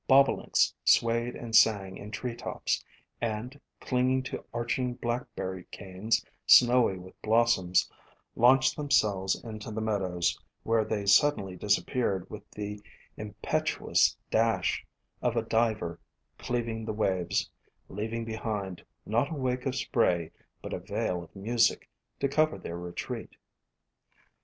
Bobolinks swayed and sang in tree tops, and, clinging to arch ing Blackberry canes snowy with blossoms, launched themselves into the meadows, where they suddenly disappeared with the impetuous dash of a diver cleaving the waves, leaving behind, not a wake of spray, but a veil of music, to cover their retreat.